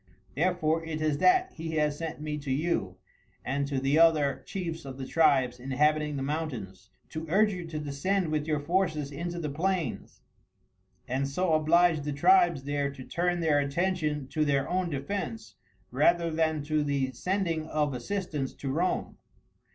Therefore it is that he has sent me to you and to the other chiefs of the tribes inhabiting the mountains, to urge you to descend with your forces into the plains, and so oblige the tribes there to turn their attention to their own defence rather than to the sending of assistance to Rome.